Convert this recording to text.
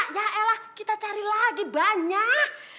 ya allah kita cari lagi banyak